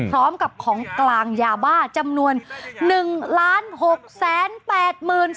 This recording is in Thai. พร้อมกับของกลางยาบ้าจำนวน๑๖๘๒๐๐๐เมตรคุณ